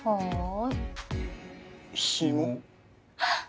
はっ！